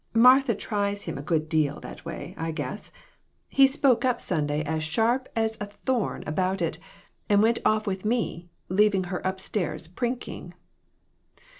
Martha tries him a good deal that way, I guess. He 148 DON'T REPEAT IT. spoke up Sunday as sharp as a thorn about it, and went off with me, leaving her up stairs prinking.